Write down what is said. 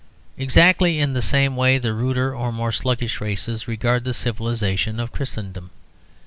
Exactly in the same way the ruder or more sluggish races regard the civilisation of Christendom.